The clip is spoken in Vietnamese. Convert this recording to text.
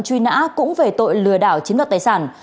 truy nã cũng về tội lừa đảo chiếm đoạt tài sản